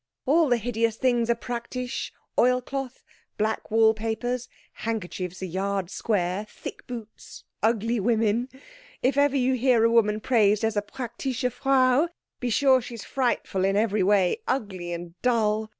All the hideous things are praktisch oil cloth, black wall papers, handkerchiefs a yard square, thick boots, ugly women if ever you hear a woman praised as a praktische Frau, be sure she's frightful in every way ugly and dull.